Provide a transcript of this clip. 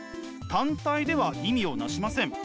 単体では意味をなしません。